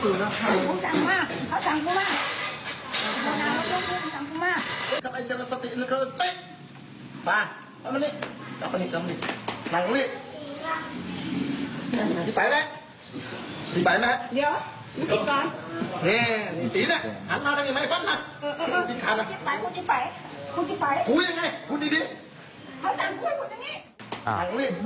กลับมานี่สำเร็จกันไป